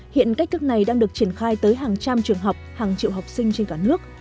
hiện cách thức này đang được triển khai tới hàng trăm trường học hàng triệu học sinh trên cả nước